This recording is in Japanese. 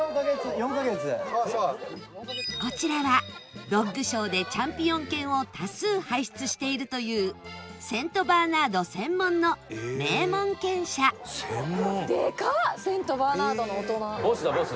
こちらはドッグショーでチャンピオン犬を多数輩出しているというセントバーナード専門の名門犬舎ボスだボス。